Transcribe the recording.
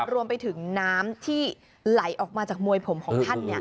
รวมไปถึงน้ำที่ไหลออกมาจากมวยผมของท่าน